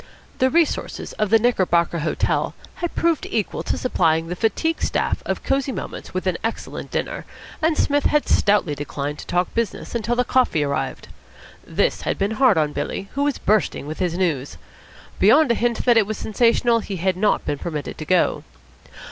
The resources of the Knickerbocker Hotel had proved equal to supplying the fatigued staff of Cosy Moments with an excellent dinner, and Psmith had stoutly declined to talk business until the coffee arrived. This had been hard on Billy, who was bursting with his news. Beyond a hint that it was sensational he had not been permitted to go.